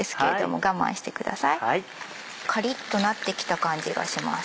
カリっとなってきた感じがします。